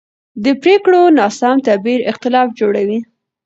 د پرېکړو ناسم تعبیر اختلاف جوړوي